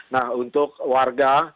nah untuk warga